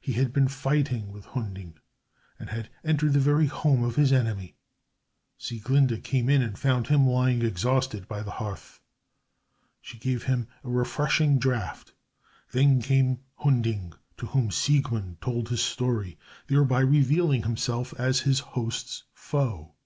He had been fighting with Hunding, and had entered the very home of his enemy. Sieglinde came in and found him lying exhausted by the hearth. She gave him a refreshing draught. Then came Hunding, to whom Siegmund told his story, thereby revealing himself as his host's foe.